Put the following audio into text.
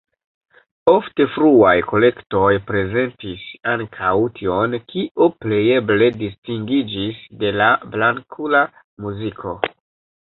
Ofte fruaj kolektoj prezentis ankaŭ tion, kio plejeble distingiĝis de la blankula muziko.